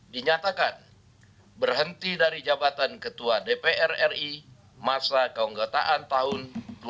dinyatakan berhenti dari jabatan ketua dpr ri masa keunggataan tahun dua ribu empat belas dua ribu enam belas